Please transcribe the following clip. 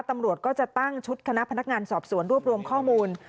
ตำรวจก็จะตั้งชุดคณะพนักงานสอบสวนรวบรวมข้อมูล